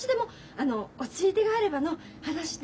あのおついでがあればの話で。